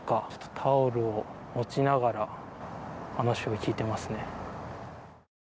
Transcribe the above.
タオルを持ちながら話を聞いていますね。